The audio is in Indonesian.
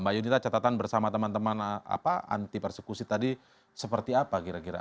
mbak yunita catatan bersama teman teman anti persekusi tadi seperti apa kira kira